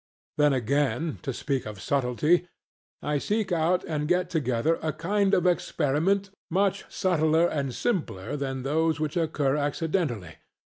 Then again, to speak of subtlety: I seek out and get together a kind of experiments much subtler and simpler than those which occur accidentally.